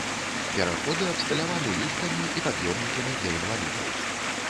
Пераходы абсталяваны ліфтамі і пад'ёмнікамі для інвалідаў.